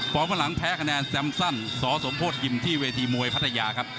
ข้างหลังแพ้คะแนนแซมซั่นสสมโพธิยิมที่เวทีมวยพัทยาครับ